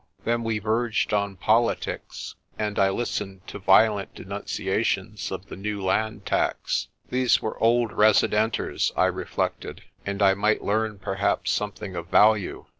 Then we verged on politics, and I listened to violent denunciations of the new land tax. These were old residenters, I reflected, and I might learn perhaps some thing of value.